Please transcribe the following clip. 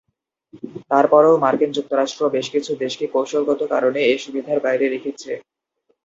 তারপরও মার্কিন যুক্তরাষ্ট্র বেশকিছু দেশকে কৌশলগত কারণে এ সুবিধার বাইরে রেখেছে।